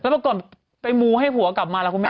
แล้วตอนก่อนไปมูให้ผัวกลับมาแล้วคุณแม่